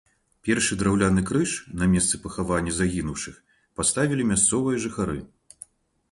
Першы драўляны крыж на месцы пахавання загінуўшых паставілі мясцовыя жыхары.